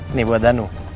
ini buat danu